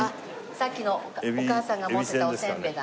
さっきのお母さんが持ってたおせんべいだ。